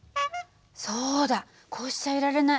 そうだこうしちゃいられない。